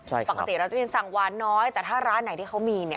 ใช่ปกติเราจะได้ยินสั่งหวานน้อยแต่ถ้าร้านไหนที่เขามีเนี่ย